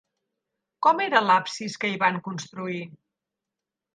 Com era l'absis que hi van construir?